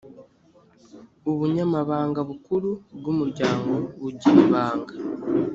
ubunyamabanga bukuru bw ‘umuryango bugira ibanga.